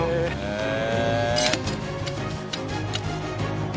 へえ！